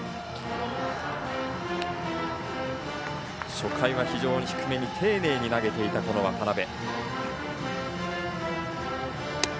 初回は非常に低めに丁寧に投げていた渡邊。